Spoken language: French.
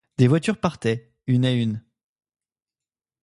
Des voitures partaient, une à une.